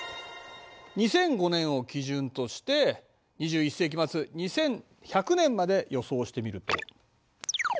２００５年を基準として２１世紀末２１００年まで予想してみると。